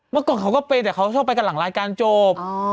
แต่เขาก็ชอบไปกับหลังรายการจบ